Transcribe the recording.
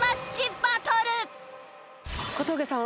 小峠さん